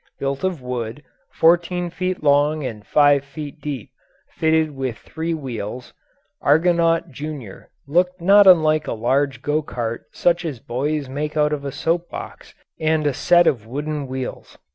Built of wood, fourteen feet long and five feet deep, fitted with three wheels, Argonaut Junior looked not unlike a large go cart such as boys make out of a soap box and a set of wooden wheels.